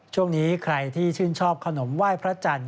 ช่วงนี้ใครที่ชื่นชอบขนมไหว้พระจันทร์